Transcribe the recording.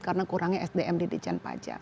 karena kurangnya sdm di dijen pajak